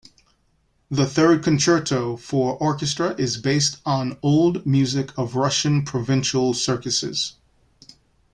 The third Concerto for Orchestra is based on old music of Russian provincial circuses.